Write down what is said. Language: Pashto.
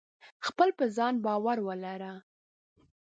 خپل په ځان باور ولره !